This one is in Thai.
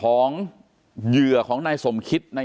เป็นวันที่๑๕ธนวาคมแต่คุณผู้ชมค่ะกลายเป็นวันที่๑๕ธนวาคม